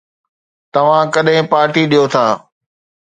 توهان ڪڏهن پارٽي ڏيو ٿا؟